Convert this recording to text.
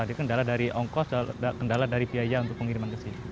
jadi kendala dari ongkos dan kendala dari biaya untuk pengiriman ke sini